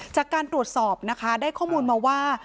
จากการตรวจสอบนะคะได้ข้อมูลมาว่า